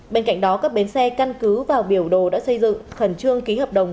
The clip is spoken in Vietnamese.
bên cạnh đó các bến xe căn cứ vào biểu đồ đã xây dựng khẩn trương ký hợp đồng